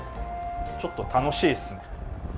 ちょっと楽しいですね。